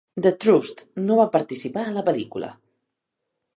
The Trusts no va participar a la pel·lícula.